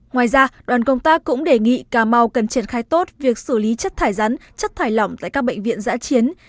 ngoài ra đoàn công tác cũng đề nghị cà mau cần triển khai tốt việc xử lý chất thải rắn chất thải lỏng tại các bệnh viện giã chiến